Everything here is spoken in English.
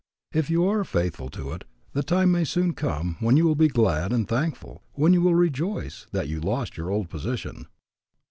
If you are faithful to it, the time may soon come when you will be glad and thankful, when you will rejoice, that you lost your old position.